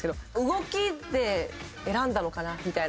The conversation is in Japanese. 動きで選んだのかなみたいな事を。